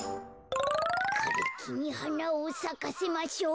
「かれきにはなをさかせましょう」。